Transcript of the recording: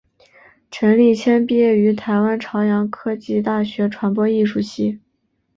陈立谦毕业于台湾朝阳科技大学传播艺术系。